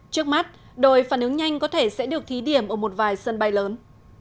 trước mắt đội phản ứng nhanh có thể sẽ được thí điểm ở một vài sân bay lớn